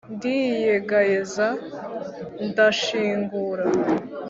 Ndiyegayeza ndashingura